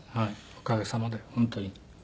おかげさまで本当に。